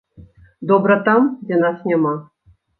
Добра там, дзе нас няма.